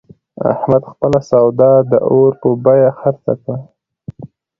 احمد خپله سودا د اور په بیه خرڅه کړه.